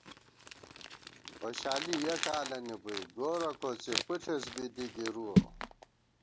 خوشالی یَہ کالَنی بُوئی گورہ کوڅی پُݪېس بی دی گِرُوَہ